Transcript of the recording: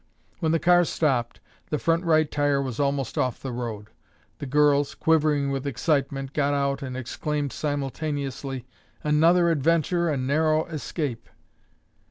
When the car stopped, the front right tire was almost off the road. The girls, quivering with excitement, got out and exclaimed simultaneously, "Another adventure and narrow escape!"